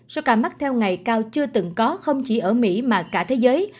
số ca mắc theo ngày cao chưa từng có không chỉ ở mỹ mà cả thế giới